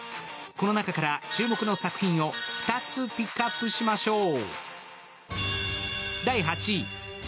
この中から注目の作品を２つピックアップしましょう。